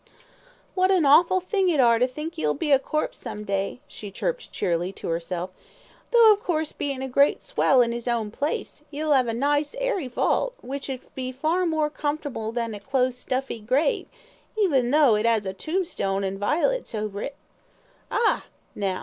"What an awful thing it are to think 'e'll be a corpse some day," she chirped cheerily to herself, "tho' of course bein' a great swell in 'is own place, 'e'll 'ave a nice airy vault, which 'ud be far more comfortable than a close, stuffy grave, even tho' it 'as a tombstone an' vi'lets over it. Ah, now!